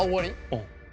うん。